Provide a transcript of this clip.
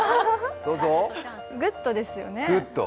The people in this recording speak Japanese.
グッドですよねえ。